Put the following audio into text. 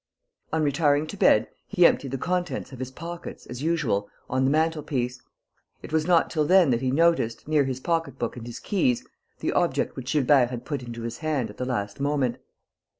On retiring to bed, he emptied the contents of his pockets, as usual, on the mantel piece. It was not till then that he noticed, near his pocketbook and his keys, the object which Gilbert had put into his hand at the last moment.